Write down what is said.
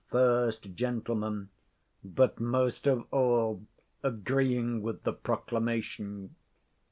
First Gent. But, most of all, agreeing with the proclamation.